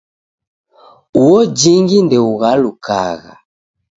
Uo jingi ndeughalukagha.